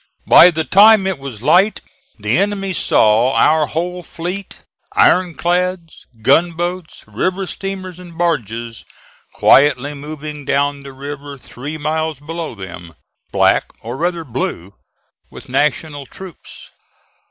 By the time it was light the enemy saw our whole fleet, ironclads, gunboats, river steamers and barges, quietly moving down the river three miles below them, black, or rather blue, with National troops.